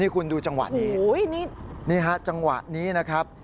คุณดูจังหวะนี้นี่ฮะจังหวะนี้นะครับ